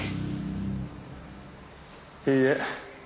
いいえ。